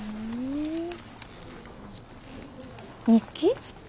日記？